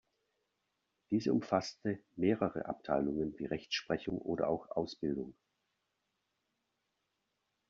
Diese umfasste mehrere Abteilungen wie Rechtsprechung oder auch Ausbildung.